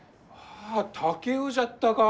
あ竹雄じゃったか！